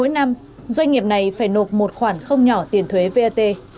doanh nghiệp này phải nộp một khoản không nhỏ tiền thuế vat